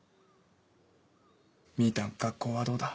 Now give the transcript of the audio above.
「みぃたん学校はどうだ？」。